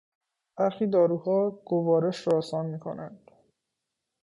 برخی داروها گوارش را آسان میکنند.